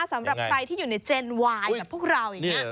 สำหรับใครที่อยู่ในเจนวายแบบพวกเราอย่างนี้